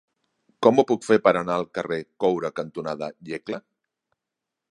Com ho puc fer per anar al carrer Coure cantonada Iecla?